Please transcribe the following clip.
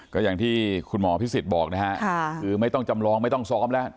ก็อย่างที่คุณหมอพิสิทธิ์บอกนะฮะคือไม่ต้องจำลองไม่ต้องซ้อมแล้ว